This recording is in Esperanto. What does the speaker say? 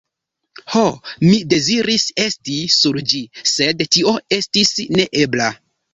Ho! mi deziris esti sur ĝi, sed tio estis neebla.